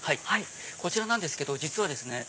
こちらなんですけど実はですね